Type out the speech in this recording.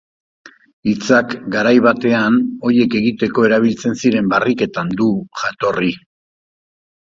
Hitzak garai batean horiek egiteko erabiltzen ziren barriketan du jatorri.